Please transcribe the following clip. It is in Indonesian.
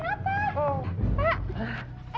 ke atas ya